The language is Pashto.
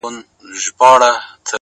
خو خپه كېږې به نه!